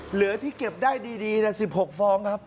เหลือที่เก็บได้ดี๑๖ฟองครับ